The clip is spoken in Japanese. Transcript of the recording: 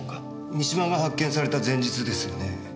三島が発見された前日ですよね？